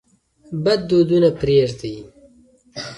بد دودونه پرېږدئ.